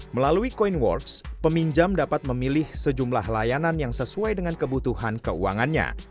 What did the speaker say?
melalui coinworks peminjam dapat memilih sejumlah layanan yang sesuai dengan kebutuhan keuangannya